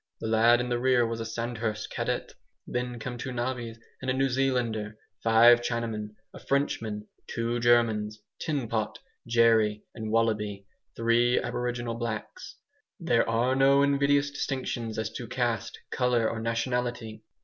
The lad in the rear was a Sandhurst cadet. Then came two navvies and a New Zealander, five Chinamen, a Frenchman, two Germans, Tin Pot, Jerry, and Wallaby three aboriginal blacks. There are no invidious distinctions as to caste, colour, or nationality.